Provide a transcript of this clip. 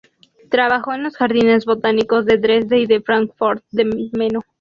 Trabajó en los jardines botánicos de Dresde y de Fráncfort del Meno.